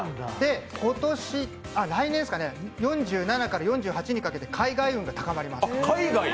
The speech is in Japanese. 来年、４７から４８にかけて海外運が高まります。